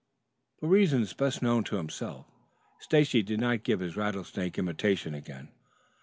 For reasons best known to himself Stacy did not give his rattlesnake imitation again.